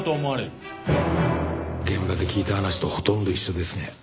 現場で聞いた話とほとんど一緒ですね。